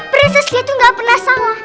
prinses liya itu nggak pernah salah